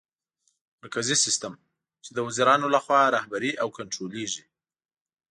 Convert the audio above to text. مرکزي سیستم : چي د وزیرانو لخوا رهبري او کنټرولېږي